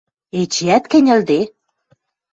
– Эчеӓт кӹньӹлде?